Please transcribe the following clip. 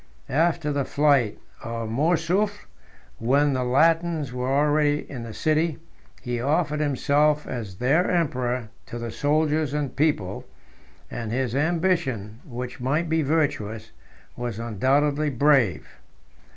After the flight of Mourzoufle, when the Latins were already in the city, he offered himself as their emperor to the soldiers and people; and his ambition, which might be virtuous, was undoubtedly brave.